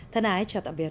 thân ái chào tạm biệt